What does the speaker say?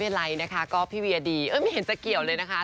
อะไรนะคะก็พี่เวียดีไม่เห็นจะเกี่ยวเลยนะคะ